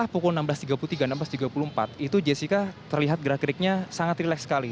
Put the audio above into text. pukul enam belas tiga puluh tiga enam belas tiga puluh empat itu jessica terlihat gerak geriknya sangat rileks sekali